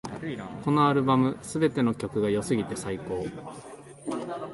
このアルバム、すべての曲が良すぎて最高